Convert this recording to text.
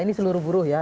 ini seluruh buruh ya